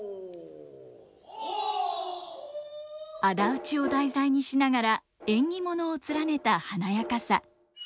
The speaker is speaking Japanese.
仇討ちを題材にしながら縁起物を連ねた華やかさ。